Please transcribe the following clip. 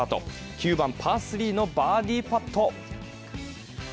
９番、パースリーのバーディーパット。